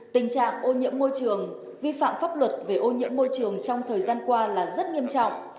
tình trạng ô nhiễm môi trường vi phạm pháp luật về ô nhiễm môi trường trong thời gian qua là rất nghiêm trọng